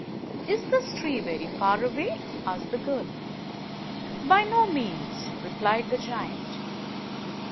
"Is this tree very far away?" asked the girl. ; 1 "By no means," replied the giant.